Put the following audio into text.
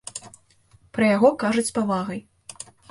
Пра яго кажуць з павагай.